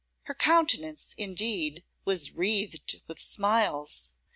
Her countenance, indeed, was wreathed with smiles.